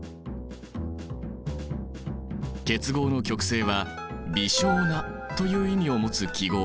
結合の極性は微小なという意味を持つ記号